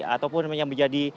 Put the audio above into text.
ataupun yang menjadi